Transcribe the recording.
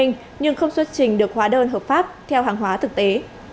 nhưng không xuất trình được hóa đơn hợp pháp theo hàng hóa thực tế